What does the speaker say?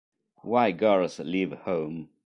Why Girls Leave Home